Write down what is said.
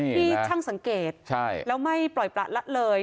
ที่ช่างสังเกตแล้วไม่ปล่อยประละเลย